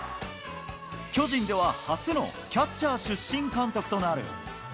巨人では初のキャッチャー出身監督となる。